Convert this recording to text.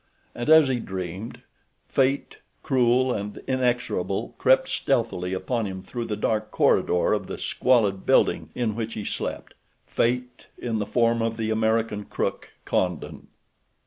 And as he dreamed, Fate, cruel and inexorable, crept stealthily upon him through the dark corridor of the squalid building in which he slept—Fate in the form of the American crook, Condon.